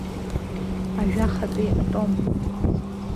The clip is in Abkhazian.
Ажәахатәи атом.